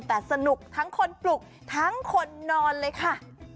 แต่สนุกทั้งคนปลุกทั้งคนนอนเลยค่ะ